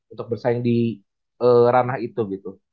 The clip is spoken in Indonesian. untuk bersaing di ranah itu gitu